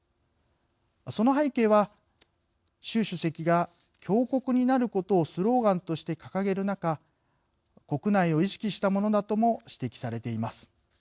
その背景は、習主席が強国になることをスローガンとして掲げる中国内を意識したものだとも指摘されています。